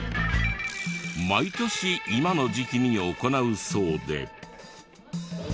毎年今の時期に行うそうで。